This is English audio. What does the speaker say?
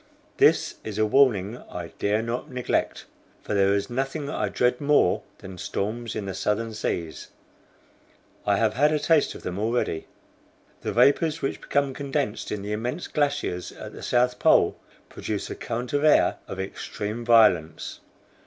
This is a warning I dare not neglect, for there is nothing I dread more than storms in the Southern Seas; I have had a taste of them already. The vapors which become condensed in the immense glaciers at the South Pole produce a current of air of extreme violence.